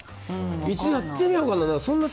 一度やってみようかな。